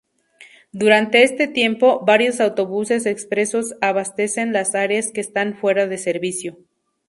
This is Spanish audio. Durante este tiempo, varios autobuses expresos abastecen las áreas que están fuera de servicio.